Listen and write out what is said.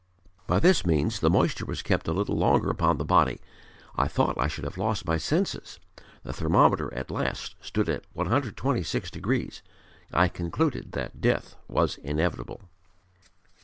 By this means the moisture was kept a little longer upon the body. I thought I should have lost my senses. The thermometer at last stood at 126 degrees. I concluded that death was inevitable."